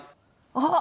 あっ！